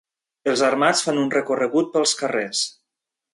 Els armats fan un recorregut pels carrers.